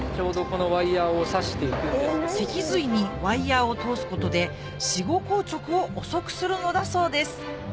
脊髄にワイヤを通すことで死後硬直を遅くするのだそうです